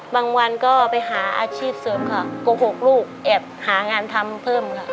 วันก็ไปหาอาชีพเสริมค่ะโกหกลูกแอบหางานทำเพิ่มค่ะ